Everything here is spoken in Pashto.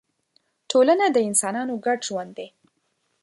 ټولنه د انسانانو ګډ ژوند دی.